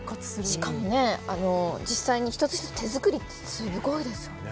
しかも実際に１つ１つ手作りってすごいですね。